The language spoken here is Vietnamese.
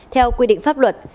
theo quy định pháp luật